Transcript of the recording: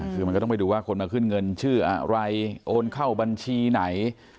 คือมันก็ต้องไปดูว่าคนมาขึ้นเงินชื่ออะไรโอนเข้าบัญชีไหน